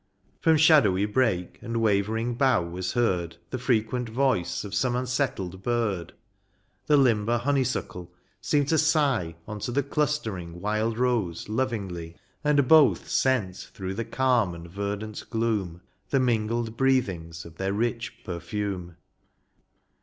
From shadowy brake and wavering bough was heard The frequent voice of some unsettled bird; The limber honeysuckle seemed to sigh Unto the clustering wild rose lovingly. Whittle Springs. 99 And both sent through the calm and verdant gloom The mingled breathings of their rich perfume.